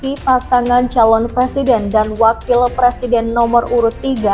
di pasangan calon presiden dan wakil presiden nomor urut tiga